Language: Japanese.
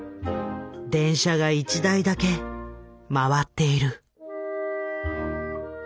電車が１台だけ回っている。